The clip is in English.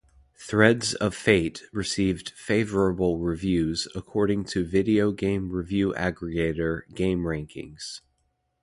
"Threads of Fate" received "favorable" reviews according to video game review aggregator GameRankings.